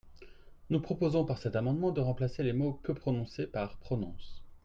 Nous proposons par cet amendement de remplacer les mots « peut prononcer » par « prononce ».